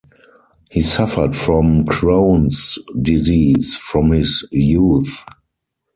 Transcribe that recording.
He suffered from Crohn's disease from his youth.